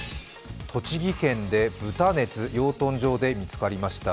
栃木県で豚熱、養豚場で見つかりました。